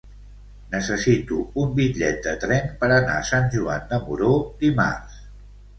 Necessito un bitllet de tren per anar a Sant Joan de Moró dimarts.